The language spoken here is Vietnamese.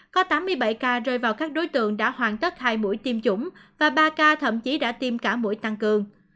có tám mươi bảy ca rơi vào các đối tượng đã hoàn tất hai mũi tiêm chủng và ba ca thậm chí đã tiêm cả mũi tăng cường